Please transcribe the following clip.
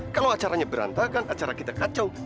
kalau acaranya berantakan acara kita kacau